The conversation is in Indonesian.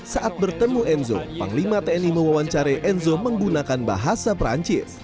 saat bertemu enzo panglima tni mewawancari enzo menggunakan bahasa perancis